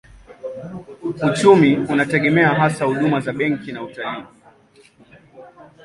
Uchumi unategemea hasa huduma za benki na utalii.